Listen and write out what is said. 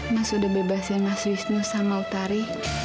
mas udah bebasin mas wisnu sama utari